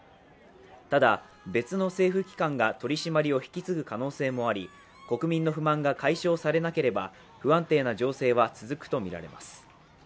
ただ、別の政府機関が取り締まりを引き継ぐ可能性もあり、国民の不満が解消されなければ不安定な情勢は続くとみられます。